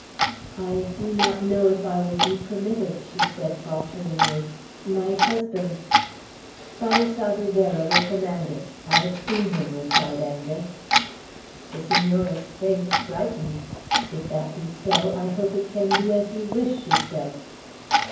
"I do not know if I will be permitted," she said falteringly; "my husband " "Father Salvierderra will command it. I have seen him," replied Angus. The Senora's face brightened. "If that be so, I hope it can be as you wish," she said.